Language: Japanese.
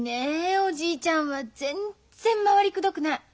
おじいちゃんは全然回りくどくない。